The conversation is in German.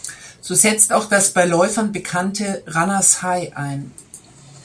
So setzt auch das bei Läufern bekannte „Runner’s High“ ein.